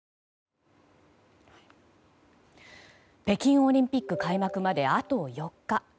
北京オリンピック開幕まであと４日。